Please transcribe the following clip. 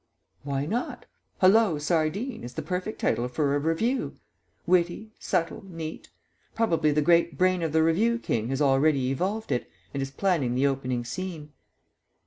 "Why not? 'Hallo, Sardine' is the perfect title for a revue. Witty, subtle, neat probably the great brain of the Revue King has already evolved it, and is planning the opening scene."